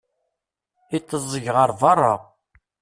Itteẓẓeg ɣer beṛṛa.